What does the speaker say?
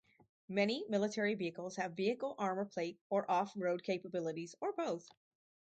Many military vehicles have vehicle armour plate or off-road capabilities or both.